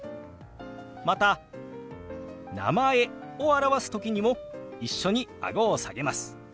また「名前」を表す時にも一緒にあごを下げます。